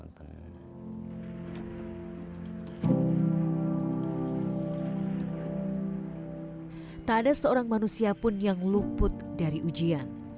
tak ada seorang manusia pun yang luput dari ujian